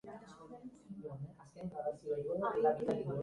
Umeen arteko kutsadura oso ohikoa da.